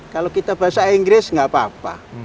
kalau kita bahasa inggris nggak apa apa